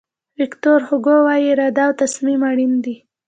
ویکتور هوګو وایي اراده او تصمیم اړین دي.